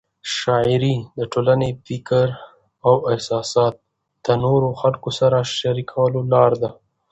شاعري د ټولنې د فکر او احساسات د نورو خلکو سره شریکولو لار ده.